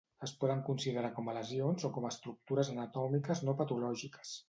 Es poden considerar com a lesions o com a estructures anatòmiques no patològiques.